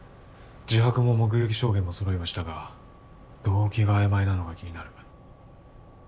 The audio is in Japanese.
自白も目撃証言が揃いはしたが動機が曖昧なのが気になる。